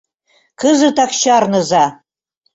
Кызытак чарныза!